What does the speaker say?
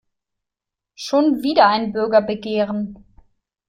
Schon wieder ein Bürgerbegehren.